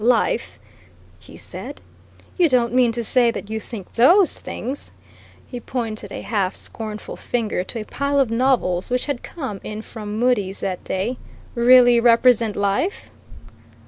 "Life!" he said. "You don't mean to say that you think those things" he pointed a half scornful finger to a pile of novels which had come in from Mudie's that day "really represent life?"